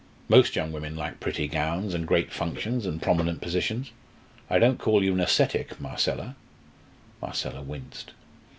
Most young women like pretty gowns, and great functions, and prominent positions. I don't call you an ascetic, Marcella." Marcella winced.